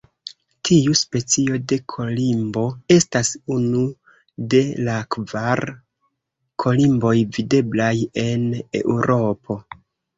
Tiu specio de kolimbo estas unu de la kvar kolimboj videblaj en Eŭropo.